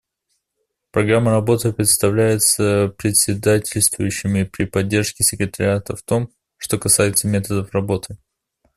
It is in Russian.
Программа работы представляется председательствующим при поддержке секретариата в том, что касается методов работы.